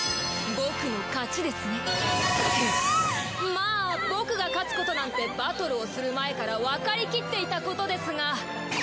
まあ僕が勝つことなんてバトルをする前からわかりきっていたことですが！